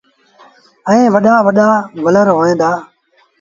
ائيٚݩ وڏآ وڏآ ولر هوئين دآ۔